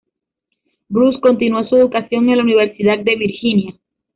Bruce continuó su educación en la Universidad de Virginia.